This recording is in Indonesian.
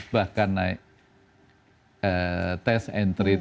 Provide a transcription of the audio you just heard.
bahkan naik test and treat